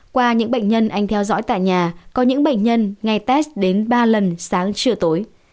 qua những bệnh nhân anh theo dõi tại nhà có những bệnh nhân ngày test đến ba lần sáng trưa tối